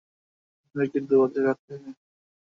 সবারই একটা দুর্বল জায়গা থাকে।